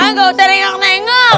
ah nggak usah ringgok ringgok